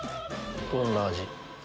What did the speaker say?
どんな味？